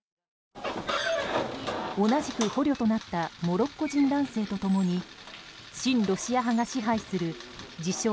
同じく捕虜となったモロッコ人男性と共に親ロシア派が支配する自称